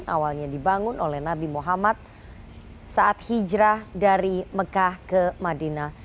awalnya dibangun oleh nabi muhammad saat hijrah dari mekah ke madinah